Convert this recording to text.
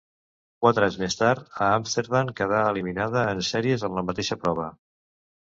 Quatre anys més tard, a Amsterdam, quedà eliminada en sèries en la mateixa prova.